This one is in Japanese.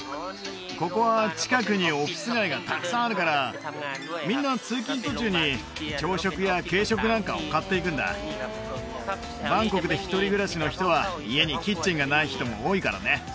ここは近くにオフィス街がたくさんあるからみんな通勤途中に朝食や軽食なんかを買っていくんだバンコクで一人暮らしの人は家にキッチンがない人も多いからね